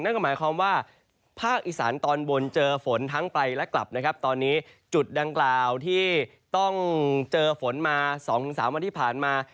นั่นก็หมายความว่าภาคอีสานตอนบนเจอฝนทั้งไปและกลับนะครับตอนนี้จุดดังกล่าวที่ต้องเจอฝนมา๒๓วันที่ผ่านมา